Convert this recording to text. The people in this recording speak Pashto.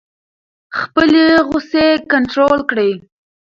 خپلې غصې کنټرول کړئ.